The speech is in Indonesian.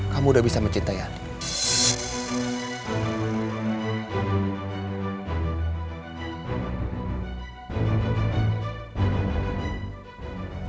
kamu udah bisa mencintai anak